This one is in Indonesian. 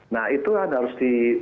nah itu harus